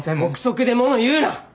臆測で物言うな！